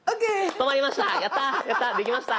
止まりました。